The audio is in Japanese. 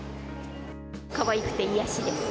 かわいくて、癒やしです。